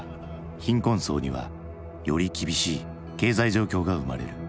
貧困層にはより厳しい経済状況が生まれる。